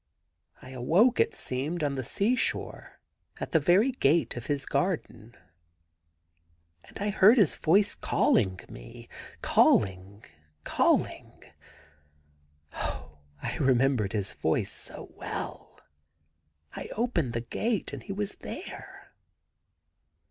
I awoke, it seemed, on the sea shore, at the very gate of his garden. And I heard his voice calling me — calling, calling. ... Oh, I remembered his voice so well! I opened the gate, and he was there.'